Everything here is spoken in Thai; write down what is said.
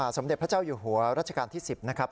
สมเด็จพระเจ้าอยู่หัวรัชกาลที่๑๐นะครับ